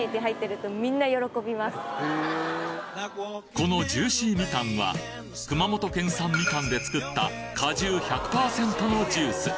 このジューシーみかんは熊本県産みかんで作った果汁１００％のジュース